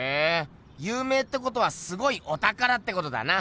ゆう名ってことはすごいおたからってことだな！